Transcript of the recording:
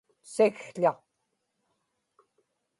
sikł̣aq